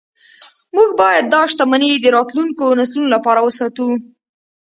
موږ باید دا شتمني د راتلونکو نسلونو لپاره وساتو